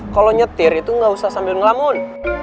kalo nyetir itu gak usah sambil ngelamun